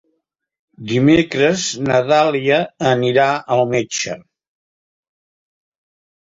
Dimecres na Dàlia anirà al metge.